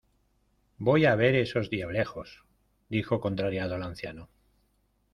¡Voy a ver a esos diablejos! dijo contrariado el anciano.